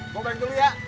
gue bayangin dulu ya